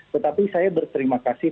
tetapi saya berterima kasih